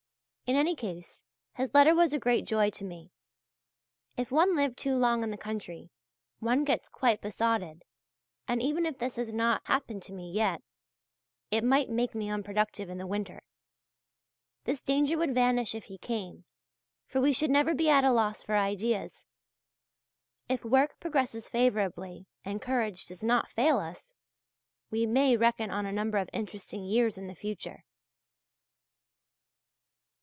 In any case his letter was a great joy to me. If one live too long in the country, one gets quite besotted, and even if this has not happened to me yet, it might make me unproductive in the winter. This danger would vanish if he came, for we should never be at a loss for ideas. If work progresses favourably and courage does not fail us, we may reckon on a number of interesting years in the future.